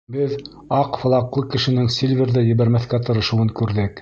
Беҙ аҡ флаглы кешенең Сильверҙы ебәрмәҫкә тырышыуын күрҙек.